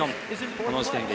この時点で４位。